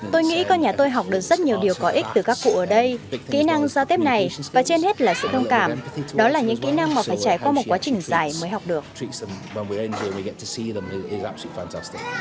tôi nghĩ con nhà tôi học được rất nhiều điều có ích từ các cụ ở đây kỹ năng giao tiếp này và trên hết là sự thông cảm đó là những kỹ năng mà phải trải qua một quá trình dài mới học được